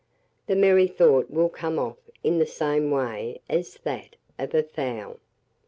The merrythought will come off in the same way as that of a fowl.